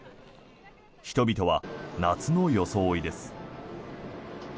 人々は夏の装いです。